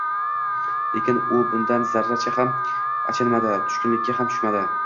Lekin u bundan zarracha ham achinmadi, tushkunlikka ham tushmadi